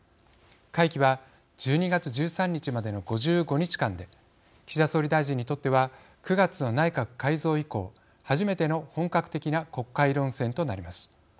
会期は１２月１３日までの５５日間で岸田総理大臣にとっては９月の内閣改造以降初めての本格的な国会論戦となります。